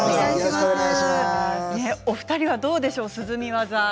お二人はどうでしょう、涼み技。